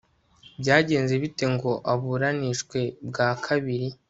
Byagenze bite ngo aburanishwe bwa kabiri